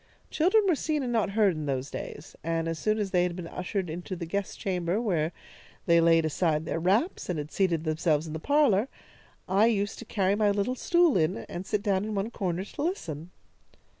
"Children were seen and not heard in those days and as soon as they had been ushered into the guest chamber, where they laid aside their wraps, and had seated themselves in the parlour, I used to carry my little stool in and sit down in one corner to listen.